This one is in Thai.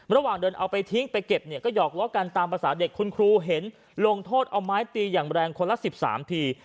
ระหว่างเดินเอาไปทิ้งไปเก็บเนี่ยก็หอกล้อกันตามภาษาเด็กคุณครูเห็นลงโทษเอาไม้ตีอย่างแรงคนละ๑๓ที